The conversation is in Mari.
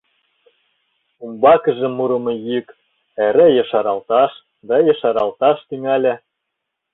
Умбакыже мурымо йӱк эре ешаралташ да ешаралташ тӱҥале.